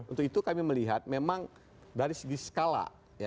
untuk itu kami melihat memang dari segi skala